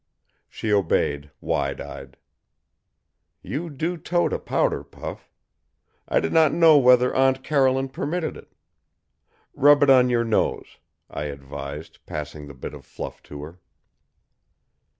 She obeyed, wide eyed. "You do tote a powder puff. I did not know whether Aunt Caroline permitted it. Rub it on your nose," I advised, passing the bit of fluff to her.